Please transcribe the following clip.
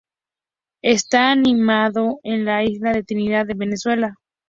Está anidando en la isla de Trinidad y Venezuela.